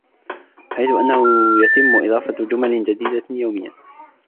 حيث أنه يتم اضافة جمل جديدة يوميا.